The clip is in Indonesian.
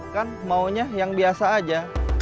kan maunya yang biasa aja